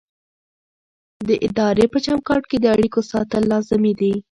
د ادارې په چوکاټ کې د اړیکو ساتل لازمي دي.